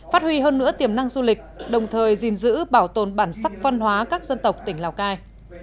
phát huy hơn nữa tiềm năng du lịch đồng thời gìn giữ bảo tồn bản sắc văn hóa các dân tộc tỉnh lào cai